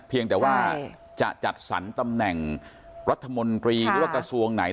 เพียงแต่ว่าจะจัดสรรตำแหน่งรัฐมนตรีหรือว่ากระทรวงไหน